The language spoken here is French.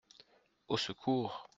Au secours !